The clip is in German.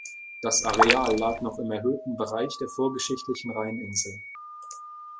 Das Areal lag noch im erhöhten Bereich der vorgeschichtlichen Rheininsel.